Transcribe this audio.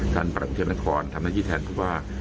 ท่านประกันเทพนครทำหน้าที่แทนเพราะว่า